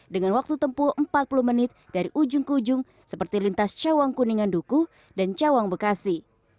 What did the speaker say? dengan waktu tempuh empat puluh menit dari ujung ke ujung seperti lintas cawang kuningan duku dan cawang bekasi